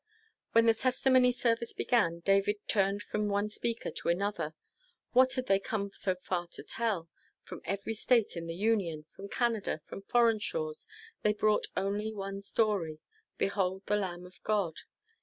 When the testimony service began, David turned from one speaker to another. What had they come so far to tell? From every State in the Union, from Canada, and from foreign shores, they brought only one story "Behold the Lamb of God!"